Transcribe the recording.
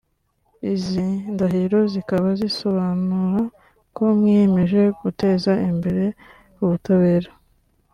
“Izi ndahiro zikaba zisobanura ko mwiyemeje guteza imbere ubutabera